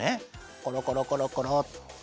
コロコロコロコロ。